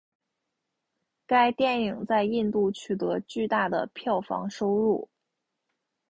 该电影在印度取得巨大的票房收入。